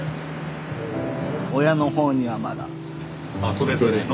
それぞれの。